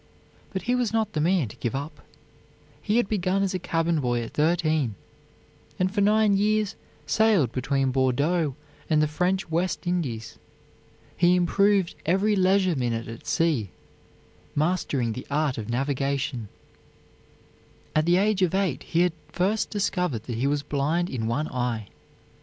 But he was not the man to give up. He had begun as a cabin boy at thirteen, and for nine years sailed between Bordeaux and the French West Indies. He improved every leisure minute at sea, mastering the art of navigation. At the age of eight he had first discovered that he was blind in one eye.